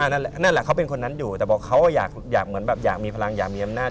นั่นแหละเขาเป็นคนนั้นอยู่แต่เขาอยากมีพลังอยากมีอำนาจ